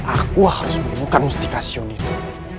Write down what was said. aku harus membuka musti kasyon itu